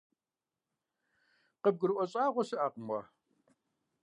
КъыбгурыӀуэ щӀагъуэ щыӀэкъым уэ.